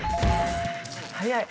早い！